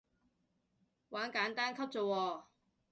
玩簡單級咋喎